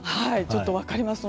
ちょっと分かります